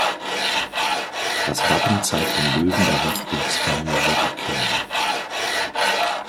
Das Wappen zeigt den Löwen der Häuptlingsfamilie Ukena.